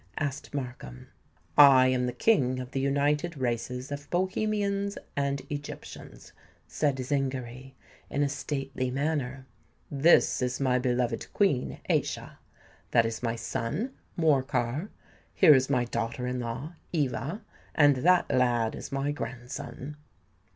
asked Markham. "I am the King of the united races of Bohemians and Egyptians," said Zingary, in a stately manner. "This is my beloved Queen, Aischa: that is my son, Morcar; here is my daughter in law, Eva; and that lad is my grandson."